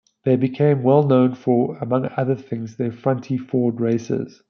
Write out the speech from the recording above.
They became well known for, among other things, their Fronty-Ford racers.